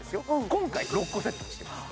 今回６個セットにしてます